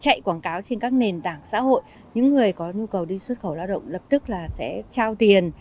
chạy quảng cáo trên các nền tảng xã hội những người có nhu cầu đi xuất khẩu lao động lập tức là sẽ trao tiền